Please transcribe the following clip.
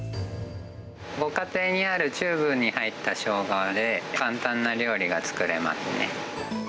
ご家庭にあるチューブに入ったしょうがで、簡単な料理が作れますね。